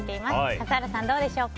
笠原さん、どうでしょうか？